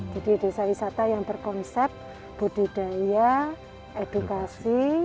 jadi desa wisata yang berkonsep budidaya edukasi